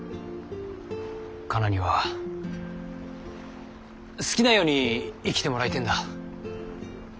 カナには好きなように生きてもらいてえんだ。